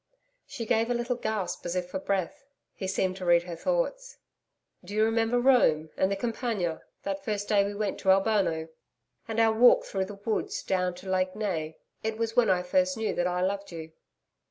She gave a little gasp as if for breath. He seemed to read her thoughts. 'Do you remember Rome and the Campagna, that first day we went to Albano? And our walk through the woods down to Lake Nei? It was then I first knew that I loved you.'